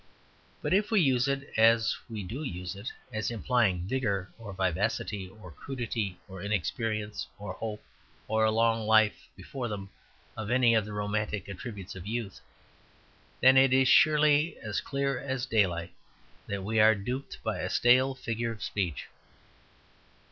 But if we use it (as we do use it) as implying vigour, or vivacity, or crudity, or inexperience, or hope, or a long life before them or any of the romantic attributes of youth, then it is surely as clear as daylight that we are duped by a stale figure of speech.